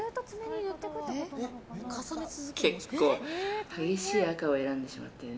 結構、激しい赤を選んでしまったよね。